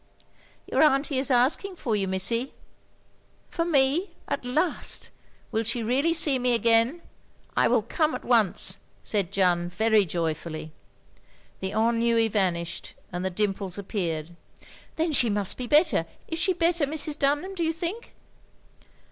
"Your atmtie is asking for you, Missy." "Forme? At last. Will she really see me again? I will come at once," said Jeanne, very joyfully. The ennui vanished, and the dimples appeared. "Then she must be better. Is she better, Mrs. Dtmham, do you think?